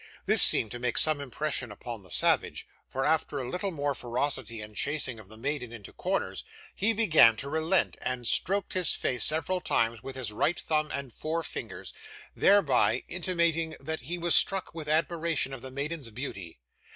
This seemed to make some impression upon the savage; for, after a little more ferocity and chasing of the maiden into corners, he began to relent, and stroked his face several times with his right thumb and four fingers, thereby intimating that he was struck with admiration of the maiden's beauty.